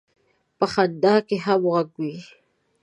په خندا کې هم غږ وي.